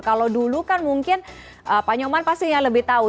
kalau dulu kan mungkin pak nyoman pastinya lebih tahu